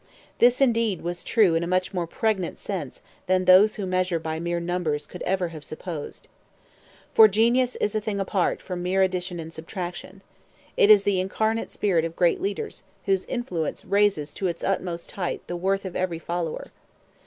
This, indeed, was true in a much more pregnant sense than those who measure by mere numbers could ever have supposed. For genius is a thing apart from mere addition and subtraction. It is the incarnate spirit of great leaders, whose influence raises to its utmost height the worth of every follower.